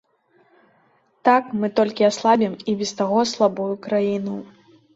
Так мы толькі аслабім і без таго слабую краіну.